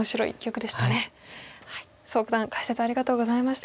宋九段解説ありがとうございました。